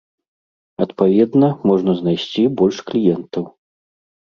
Адпаведна, можна знайсці больш кліентаў.